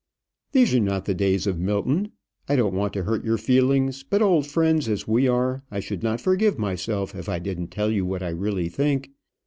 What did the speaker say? "These are not the days of Milton. I don't want to hurt your feelings; but old friends as we are, I should not forgive myself if I didn't tell you what I really think.